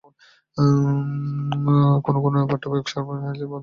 কোন কোন পাঠ্যবই কার্বন-হাইড্রোজেন বন্ধন বিশিষ্ট যৌগকে জৈব যৌগ বলে থাকে।